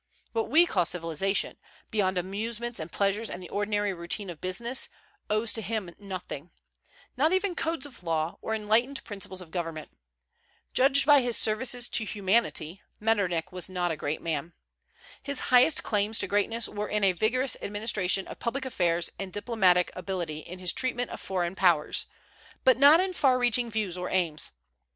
What we call civilization, beyond amusements and pleasures and the ordinary routine of business, owes to him nothing, not even codes of law, or enlightened principles of government. Judged by his services to humanity, Metternich was not a great man. His highest claims to greatness were in a vigorous administration of public affairs and diplomatic ability in his treatment of foreign powers, but not in far reaching views or aims.